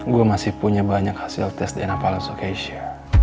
gue masih punya banyak hasil tes dna valsiocaesia